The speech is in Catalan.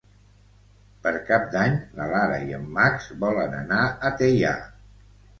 Per Cap d'Any na Lara i en Max volen anar a Teià.